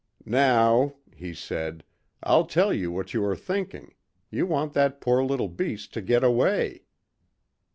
"Now," he said, "I'll tell you what you are thinking you want that poor little beast to get away."